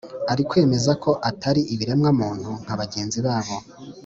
ari ukwemeza ko atari ibiremwa muntu nka bagenzi babo